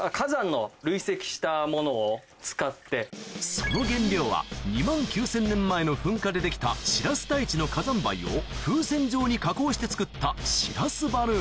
その原料は２万９０００年前の噴火でできたシラス台地の火山灰を風船状に加工して作ったシラスバルーン